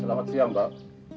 selamat siang mbak